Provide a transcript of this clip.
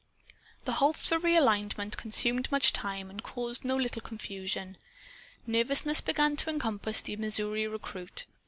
The halts for realignment consumed much time and caused no little confusion. Nervousness began to encompass the Missouri recruit.